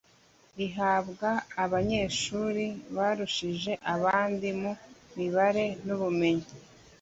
Rihabwa abanyeshuri barushije abandi mu mibare n ubumenyi